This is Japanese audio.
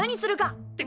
って